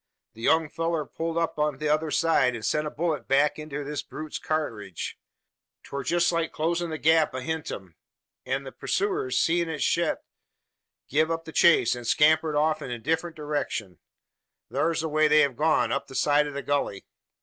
The young fellur pulled up on t'other side, an sent a bullet back inter this brute's karkidge. 'Twar jest like closin' the gap ahint him; an the pursooers, seein' it shet, guv up the chase, an scampered off in a different direckshun. Thur's the way they hev gone up the side o' the gully!"